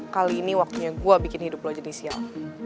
kali ini waktunya gue bikin hidup lo jadi siap